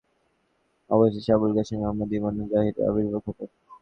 অবশেষে Abul Qasim Ahmad ibn যাহিরের আবির্ভাব ঘটে।